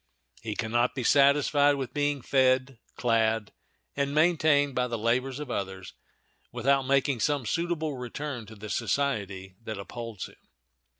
He can not be satisfied with being fed, clad, and maintained by the labors of others, without making some suitable return to the society that upholds him.